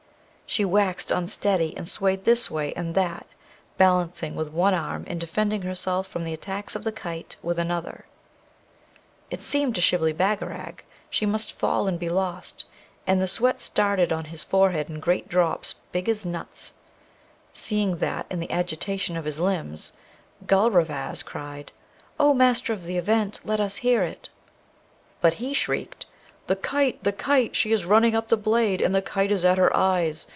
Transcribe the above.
She waxed unsteady and swayed this way and that, balancing with one arm and defending herself from the attacks of the kite with another. It seemed to Shibli Bagarag she must fall and be lost; and the sweat started on his forehead in great drops big as nuts. Seeing that and the agitation of his limbs, Gulrevaz cried, 'O Master of the Event, let us hear it!' But he shrieked, 'The kite! the kite! she is running up the blade, and the kite is at her eyes!